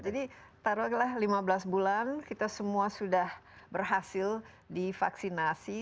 jadi taruhlah lima belas bulan kita semua sudah berhasil di vaksinasi